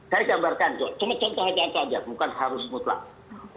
saya gambarkan cuma contoh aja aja bukan harus mutlak